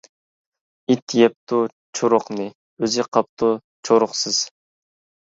ئىت يەپتۇ چۇرۇقنى، ئۆزى قاپتۇ چورۇقسىز.